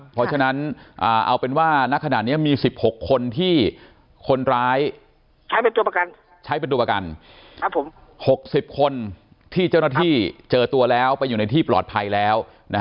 เพราะฉะนั้นเอาเป็นว่าณขณะนี้มี๑๖คนที่คนร้ายใช้เป็นตัวประกันใช้เป็นตัวประกัน๖๐คนที่เจ้าหน้าที่เจอตัวแล้วไปอยู่ในที่ปลอดภัยแล้ว